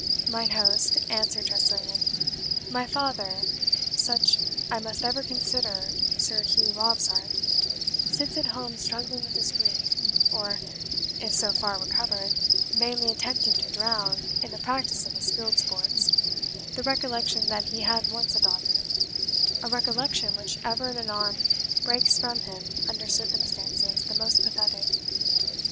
"Mine host," answered Tressilian, "my father such I must ever consider Sir Hugh Robsart sits at home struggling with his grief, or, if so far recovered, vainly attempting to drown, in the practice of his field sports, the recollection that he had once a daughter a recollection which ever and anon breaks from him under circumstances the most pathetic.